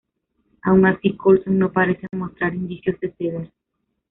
Aun así, Colson no parece mostrar indicios de ceder.